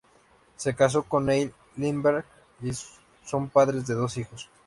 Se casó con Neil Lindberg y son padres de dos hijos.